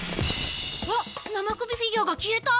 あっ生首フィギュアが消えた！